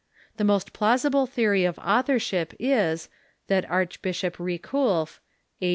The most plausible theory of authorship is, that Archbishop Riculf (a.